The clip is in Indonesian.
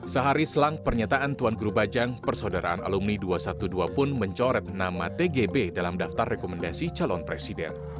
sehari selang pernyataan tuan guru bajang persaudaraan alumni dua ratus dua belas pun mencoret nama tgb dalam daftar rekomendasi calon presiden